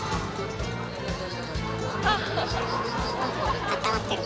あったまってる。